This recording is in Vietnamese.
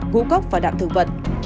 gũ gốc và đạm thực vật